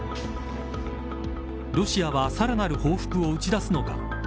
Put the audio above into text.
ロシアはさらなる報復を打ち出すのか。